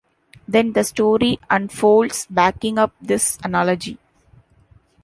Then the story unfolds backing up this analogy.